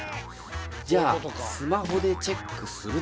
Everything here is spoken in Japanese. じゃあスマホでチェックすると。